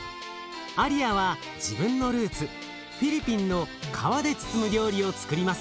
アリアは自分のルーツフィリピンの皮で包む料理をつくります。